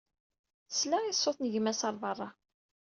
Tesla i ṣṣut n gma-s ar beṛṛa.